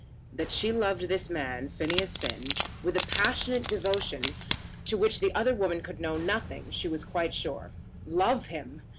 That she loved this man, Phineas Finn, with a passionate devotion of which the other woman could know nothing she was quite sure. Love him!